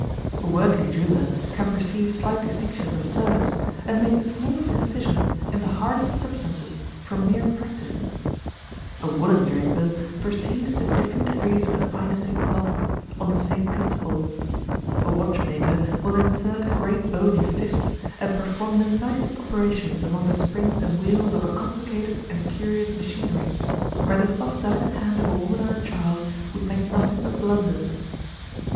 A working jeweller can perceive slight distinctions of surface, and make the smallest incisions in the hardest substances from mere practice : a woollendraper perceives the different degrees of the fineness in cloth, on the same principle ; a watchmaker will insert a great bony fist, and perform the nicest operations among the springs and wheels of a complicated and curious machinery, where the soft delicate hand of a woman or a child would make nothing but blunders.